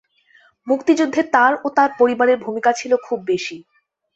মুক্তিযুদ্ধে তার ও তার পরিবারের ভূমিকা ছিল খুব বেশি।